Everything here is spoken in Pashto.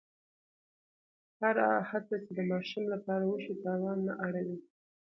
هره هڅه چې د ماشوم لپاره وشي، تاوان نه اړوي.